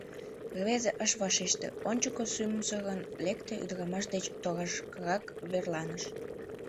Рвезе ыш вашеште, ончыко сӱмсырын лекте, ӱдырамаш деч торашкырак верланыш.